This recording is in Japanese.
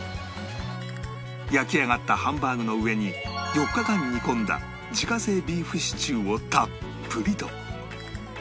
焼き上がったハンバーグの上に４日間煮込んだ自家製ビーフシチューをたっぷりと